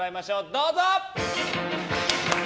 どうぞ。